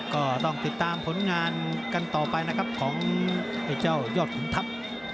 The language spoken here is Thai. ก็ต้องติดตามผลงานกันต่อไปนะครับของไอ้เจ้ายอดขุนทัพ